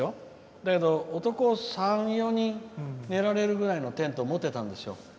だけど男３４人寝られるくらいのテント持ってたんですよ。